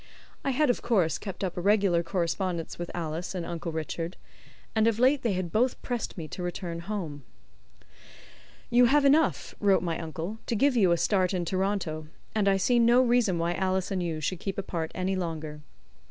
I had, of course, kept up a regular correspondence with Alice and Uncle Richard, and of late they had both pressed me to return home. "You have enough," wrote my uncle, "to give you a start in Toronto, and I see no reason why Alice and you should keep apart any longer.